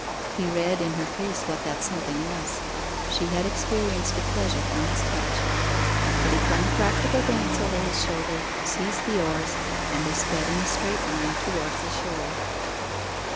He read in her face what that something was she had experienced a pleasure from his touch. But he flung a practical glance over his shoulder, seized the oars, and they sped in a straight line towards the shore.